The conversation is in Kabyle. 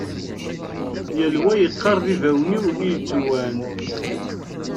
Yal wa yeqqar d ibawen-iw i yettewwan.